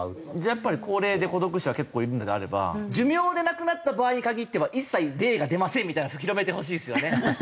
やっぱり高齢で孤独死は結構いるのであれば寿命で亡くなった場合に限っては一切霊が出ませんみたいな広めてほしいですよね。